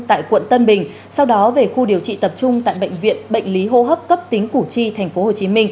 tại quận tân bình sau đó về khu điều trị tập trung tại bệnh viện bệnh lý hô hấp cấp tính củ chi tp hcm